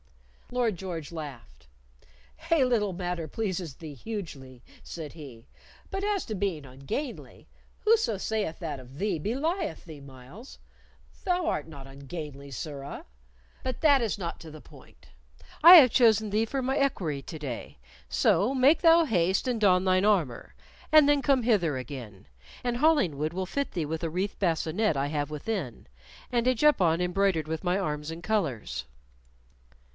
Lord George laughed. "A little matter pleases thee hugely," said he; "but as to being ungainly, who so sayeth that of thee belieth thee, Myles; thou art not ungainly, sirrah. But that is not to the point. I have chosen thee for my equerry to day; so make thou haste and don thine armor, and then come hither again, and Hollingwood will fit thee with a wreathed bascinet I have within, and a juppon embroidered with my arms and colors."